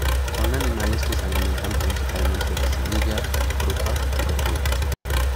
Son animales que se alimentan principalmente de semillas, frutas y verduras.